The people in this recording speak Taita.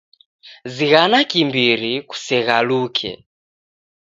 Zighana kiimbiri, kuseghaluke